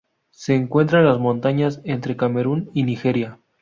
Se encuentra en las montañas entre Camerún y Nigeria.